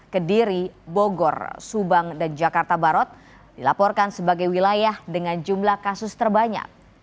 kediri bogor subang dan jakarta barat dilaporkan sebagai wilayah dengan jumlah kasus terbanyak